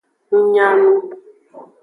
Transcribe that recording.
Ng nya nu.